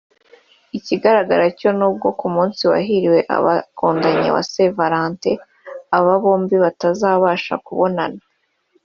Ikigaragara cyo n’ubwo ku munsi wahriwe abakundana wa Saint Valentin aba bombi batazabasha kubonana